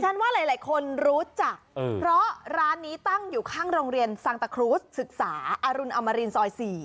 ว่าหลายคนรู้จักเพราะร้านนี้ตั้งอยู่ข้างโรงเรียนสังตะครูสศึกษาอรุณอมรินซอย๔